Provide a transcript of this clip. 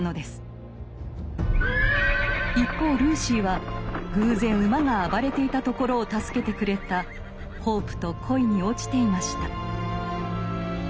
一方ルーシーは偶然馬が暴れていたところを助けてくれたホープと恋に落ちていました。